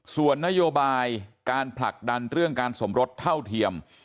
ส่วนนโยบายการผลักดันเรื่องการสมรสเท่าเทียม